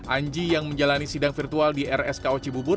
anji yang menjalani sidang virtual di rsk oc bubur